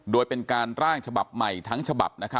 โดยเป็นการร่างฉบับใหม่ทั้งฉบับ